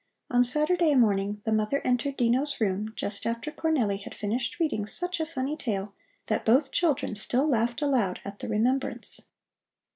On Saturday morning the mother entered Dino's room just after Cornelli had finished reading such a funny tale that both children still laughed aloud at the remembrance.